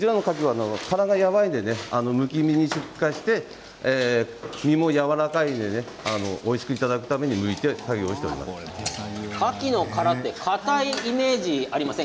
殻がやわらかいのでむき身で出荷して身もやわらかいのでおいしくいただくためにむく作業をしています。